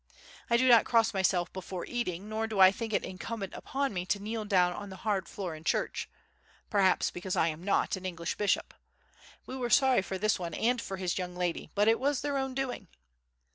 I do not cross myself before eating nor do I think it incumbent upon me to kneel down on the hard floor in church—perhaps because I am not an English bishop. We were sorry for this one and for his young lady, but it was their own doing.